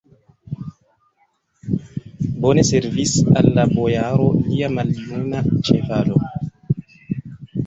Bone servis al la bojaro lia maljuna ĉevalo!